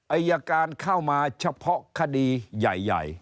อายการเข้ามาเฉพาะคดีใหญ่